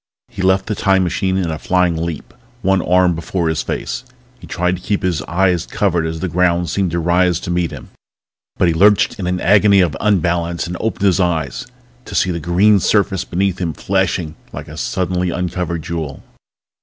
He left the Time machine in a flying leap, one arm held before his face. He tried to keep his eyes covered as the ground seemed to rise to meet him. But he lurched in an agony of unbalance and opened his eyes to see the green surface beneath him flashing like a suddenly uncovered jewel.